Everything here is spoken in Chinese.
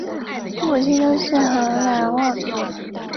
高可用性通常通过提高系统的容错能力来实现。